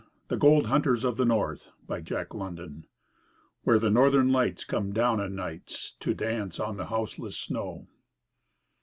THE GOLD HUNTERS OF THE NORTH "Where the Northern Lights come down a' nights to dance on the houseless snow."